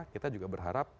kita juga berharap